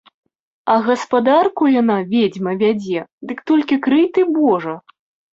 А гаспадарку яна, ведзьма, вядзе, дык толькі крый ты божа!